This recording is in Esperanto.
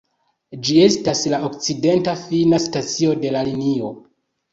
Ĝi estas la okcidenta fina stacio de la linio.